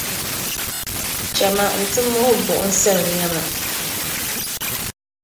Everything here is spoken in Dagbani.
Chama nti mooi buɣimsal’ nɛma.